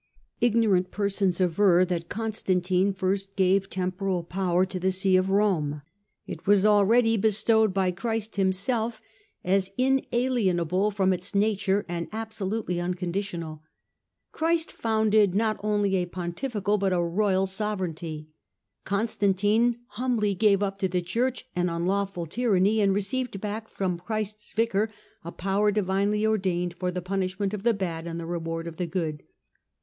Ignorant persons aver that Constantine first gave temporal power to the See of Rome ; it was already bestowed by Christ Himself, as 246 STUPOR MUNDI inalienable from its nature, and absolutely unconditional. Christ founded not only a pontifical but a royal sove reignty. Constantine humbly gave up to the Church an unlawful tyranny, and received back from Christ's Vicar a power divinely ordained for the punishment of the bad, and the reward of the good.